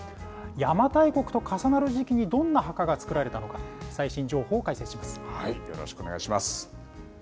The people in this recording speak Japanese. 邪馬台国と重なる時期にどんな墓が作られたのか、最新情報を解説よろしくお願いします。